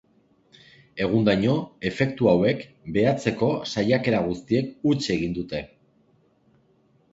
Egundaino, efektu hauek behatzeko saiakera guztiek huts egin dute.